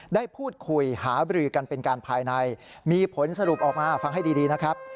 ได้พูดคุยหาบรือกันเป็นการภายในมีผลสรุปออกมาฟังให้ดีนะครับ